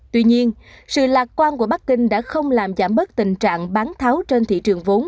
tuy nhiên sự lạc quan của bắc kinh đã không làm giảm bớt tình trạng bán tháo trên thị trường vốn